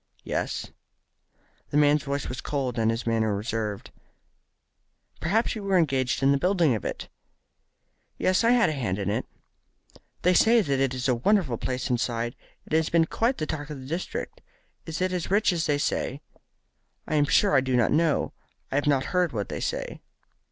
"Yes." The man's voice was cold, and his manner reserved. "Perhaps you were engaged in the building of it?" "Yes, I had a hand in it." "They say that it is a wonderful place inside. It has been quite the talk of the district. Is it as rich as they say?" "I am sure I don't know. I have not heard what they say."